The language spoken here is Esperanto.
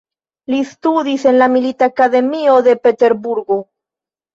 Li studis en la milita akademio de Peterburgo.